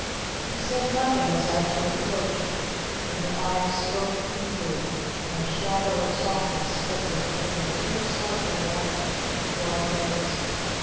She said nothing as Archie approached, but her eyes spoke inquiry and a shadow of softness flickered over so slightly round her broad lips.